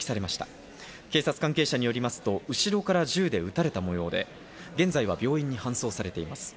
警察関係者によりますと、後ろから銃で撃たれた模様で、現在は病院に搬送されています。